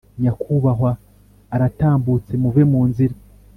Nyakubahwa aratambutse muve munzira